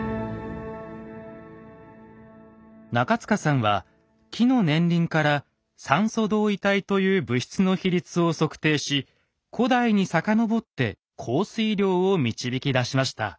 中塚さんは木の年輪から「酸素同位体」という物質の比率を測定し古代に遡って降水量を導き出しました。